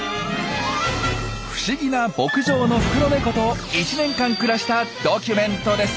不思議な牧場のフクロネコと１年間暮らしたドキュメントです。